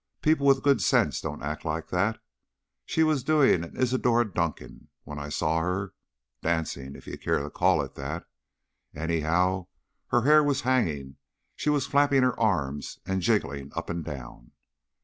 "People with good sense don't act like that. She was doing an Isadora Duncan when I saw her. Dancing if you care to call it that! Anyhow, her hair was hanging, she was flapping her arms and jiggling up and down."